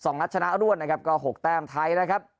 ๒นัดชนะรวดก็๖แต้มไทยนะครับ